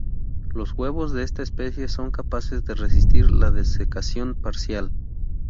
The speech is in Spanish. Los huevos de esta especie son capaces de resistir la desecación parcial.